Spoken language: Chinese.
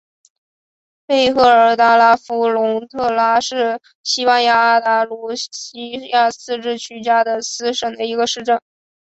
贝赫尔德拉夫龙特拉是西班牙安达卢西亚自治区加的斯省的一个市镇。